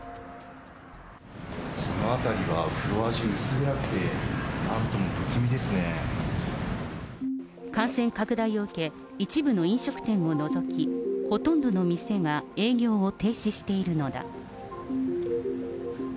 この辺りはフロア中、薄暗くて、感染拡大を受け、一部の飲食店を除き、ほとんどの店が営業を停止しているのだ。